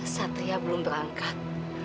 satria belum berangkat